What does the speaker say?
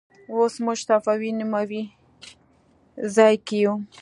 اوس موږ صفوي نومې ځای کې یو.